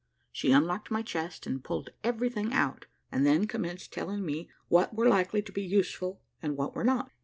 She unlocked my chest, and pulled every thing out, and then commenced telling me what were likely to be useful, and what were not.